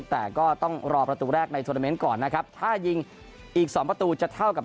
แต่ก็ต้องรอประตูแรกในโทรเมนต์ก่อนนะครับถ้ายิงอีกสองประตูจะเท่ากับ